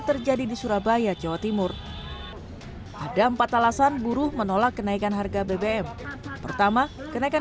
terjadi di surabaya jawa timur ada empat alasan buruh menolak kenaikan harga bbm pertama kenaikan